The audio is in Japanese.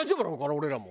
俺らも。